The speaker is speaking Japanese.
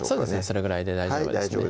それぐらいで大丈夫です